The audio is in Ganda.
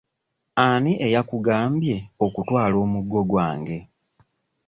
Ani eyakugambye okutwala omuggo gwange?